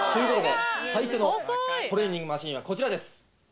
最初のトレーニングマシンはこちらです。